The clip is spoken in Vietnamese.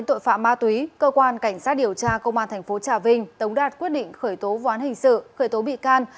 tổng phạm ma túy cơ quan cảnh sát điều tra công an tp trà vinh tống đạt quyết định khởi tố ván hình sự khởi tố bị can